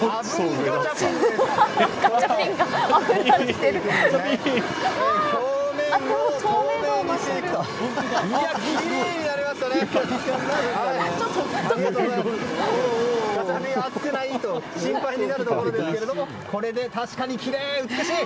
ガチャピン、熱くない？と心配になるところですけれどもこれで確かにきれい、美しい！